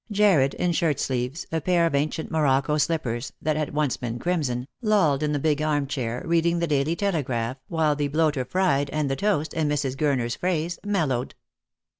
Jarred, in shirt sleeves, a pair of ancient morocco slippers, that had once been crimson, lolled in the big arm chair, reading the Daily Telegraph, while the bloater fried, and the toast, in Mrs. Gurner's phrase, " mellowed."